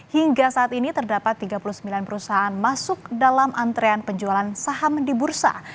hingga saat ini terdapat tiga puluh sembilan perusahaan masuk dalam antrean penjualan saham di bursa